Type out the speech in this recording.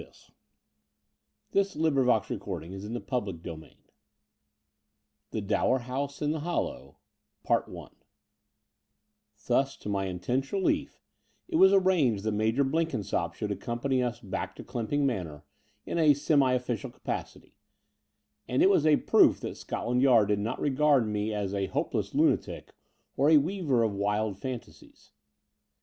Ill The Dower House in the Hollow 207 Ill THE DOWER HOUSE IN THE HOLLOW Thus, to my intense relief, it was arranged that Major Blenldnsopp should accompany us back to Qymping Manor in a semi oflBcial capacity; and it was a proof that Scotland Yard did not regard me as a hopeless lunatic or a weaver of wild fan tasies.